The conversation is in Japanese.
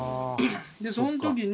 その時に。